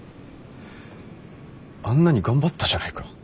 あんなに頑張ったじゃないか。